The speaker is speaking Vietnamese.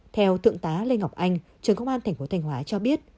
theo thượng tá lê ngọc anh trưởng công an thành phố thanh hóa cho biết